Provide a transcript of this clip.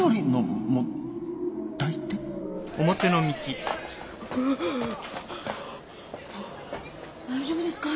大丈夫ですか？